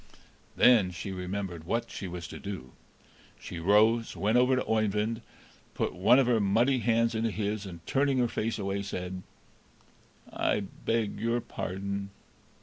Then she remembered what she was to do; she rose, went over to Oeyvind, put one of her muddy hands into his, and, turning her face away, said: "I beg your pardon!"